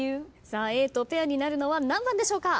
Ａとペアになるのは何番でしょうか？